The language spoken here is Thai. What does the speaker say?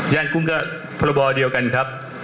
ย่างกุ้งก็พรเดียวกันครับ